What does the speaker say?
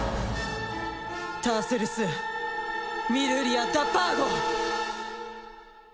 ターセルス・ミルーリア・ダ・パーゴ！